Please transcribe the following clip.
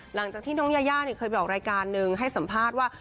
หลังจากที่น้องยายาเคยไปออกรายการนึงให้สัมภาษณ์ว่า